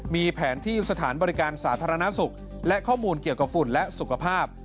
มีแผนที่สถานบริการสาธารณสุขและข้อมูลเกี่ยวกับฝุ่นและสุขภาพ